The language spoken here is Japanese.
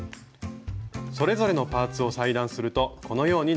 それぞれのパーツを裁断するとこのようになります。